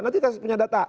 nanti kita punya data